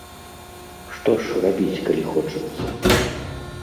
Што ж рабіць, калі хочацца?